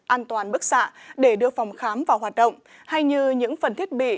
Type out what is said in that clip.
an toàn bức xạ để đưa phòng khám vào hoạt động hay như những phần thiết bị